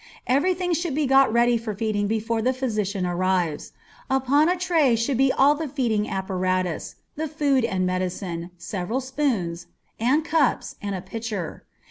Every thing should be got ready for feeding before the physician arrives. Upon a tray should be all the feeding apparatus the food and medicine, several spoons, and cups, and a pitcher.